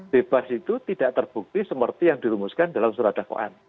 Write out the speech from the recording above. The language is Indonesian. bebas itu tidak terbukti seperti yang dirumuskan dalam surat dakwaan